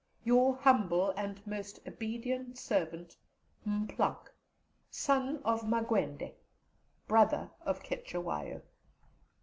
Your humble and most obedient servant, M'PLAANK, Son of Maguendé, brother of Cetewayo."